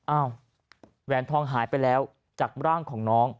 แหวนทองหายไปแล้วจากร่างของน้อง